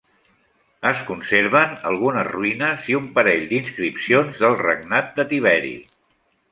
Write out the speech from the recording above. Es conserven algunes ruïnes i un parell d'inscripcions del regnat de Tiberi.